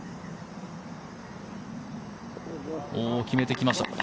決めてきました。